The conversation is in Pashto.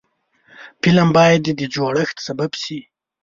فلم باید د جوړښت سبب شي